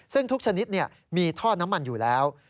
ซึ่งทุกชนิดมีท่อน้ำมันอยู่แล้ว